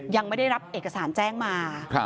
ยังไม่ได้รับเอกสารแจ้งมา